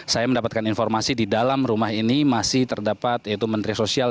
saya mendapatkan informasi di dalam rumah ini masih siapkan mentre sosial